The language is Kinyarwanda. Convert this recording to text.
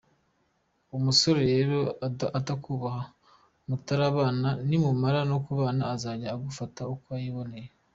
Umusore rero utakubaha mutarabana nimumara no kubana azajya agufata uko yiboneye.